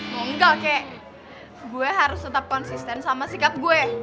mau enggak oke gue harus tetap konsisten sama sikap gue